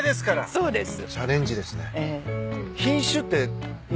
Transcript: そうですね。